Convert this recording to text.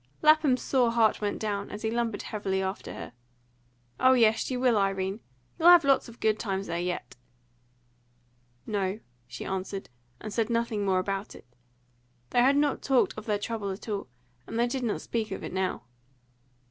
Lapham's sore heart went down, as he lumbered heavily after her. "Oh yes, you will, Irene. You'll have lots of good times there yet." "No," she answered, and said nothing more about it. They had not talked of their trouble at all, and they did not speak of it now.